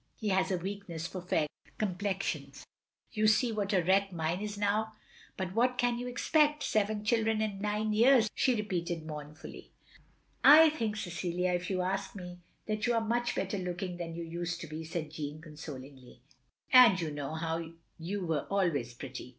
He has a weakness for fair complexions. You see what a wreck mine is now. But what can you expect? Seven children in nine years," she repeated mournfully. " I think, Cecilia, if you ask me, that you are much better looking than you used to be," said Jeanne, consolingly, "and you know you were always pretty.